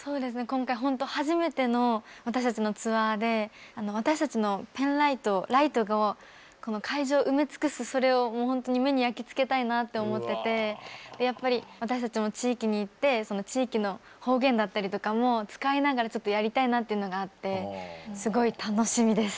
今回ほんと初めての私たちのツアーであの私たちのペンライトライトがこの会場を埋め尽くすそれをもうほんとに目に焼き付けたいなって思っててやっぱり私たちも地域に行ってその地域の方言だったりとかも使いながらちょっとやりたいなっていうのがあってすごい楽しみです。